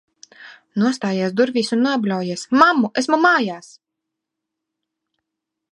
Nostājies durvīs un nobļaujies: "Mammu, esmu mājās!"